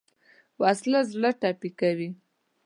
وسله زړه ټپي کوي